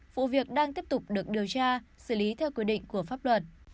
vụ việc đang tiếp tục được điều tra xử lý theo quy định của pháp luật